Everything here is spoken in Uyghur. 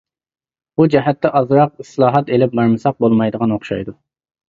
بۇ جەھەتتە ئازراق ئىسلاھات ئېلىپ بارمىساق بولمايدىغان ئوخشايدۇ.